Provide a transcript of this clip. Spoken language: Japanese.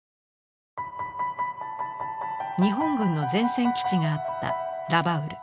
日本軍の前線基地があったラバウル。